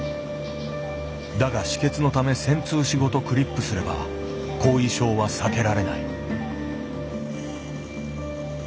だが止血のため穿通枝ごとクリップすれば後遺症は避けられない。